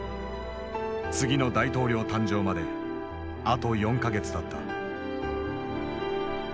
次の大統領誕生まであと４か月だった。